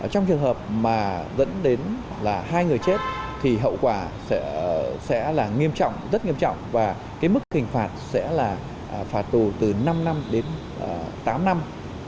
trong trường hợp mà dẫn đến là hai người chết thì hậu quả sẽ là nghiêm trọng rất nghiêm trọng và cái mức hình phạt sẽ là phạt tù từ năm năm đến tám năm